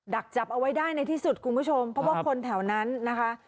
ดักจับเอาไว้ได้ในที่สุดคุณผู้ชมเพราะว่าคนแถวนั้นนะคะ